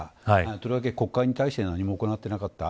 とりわけ国会に対して何も行っていなかった。